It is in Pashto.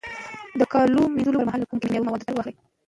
د کالو مینځلو پر مهال له کمو کیمیاوي موادو کار واخلئ.